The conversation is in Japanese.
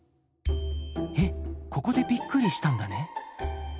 えっここでびっくりしたんだね。